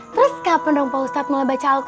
terus kapan dong pak ustadz mulai baca al qur